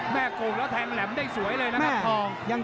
โกงแล้วแทงแหลมได้สวยเลยนะครับทอง